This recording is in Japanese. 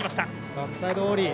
バックサイドオーリー。